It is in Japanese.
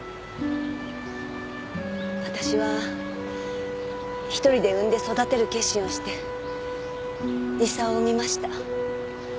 私は一人で産んで育てる決心をして功を産みました。